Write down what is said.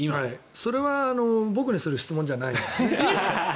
それは僕にする質問じゃないですね。